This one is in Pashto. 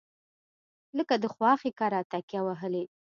لکه د خواښې کره تکیه وهلې.